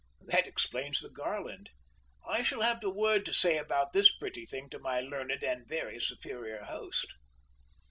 That explains the garland. I shall have a word to say about this pretty thing to my learned and very superior host."